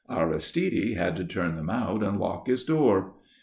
Aristide had to turn them out and lock his door.